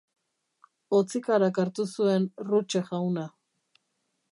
Hotzikarak hartu zuen Ruche jauna.